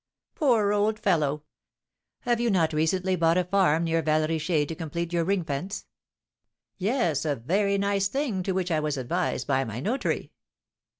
"Poor old fellow!" "Have you not recently bought a farm near Val Richer to complete your ring fence?" "Yes, a very nice thing, to which I was advised by my notary."